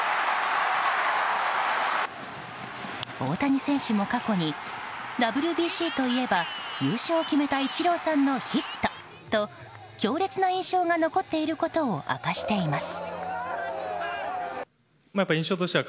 大谷選手も過去にＷＢＣといえば優勝を決めたイチローさんのヒットと強烈な印象が残っていることを明かしています。